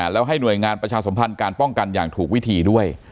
แล้วให้หน่วยงานประชาสมพันธ์การป้องกันอย่างถูกวิธีด้วย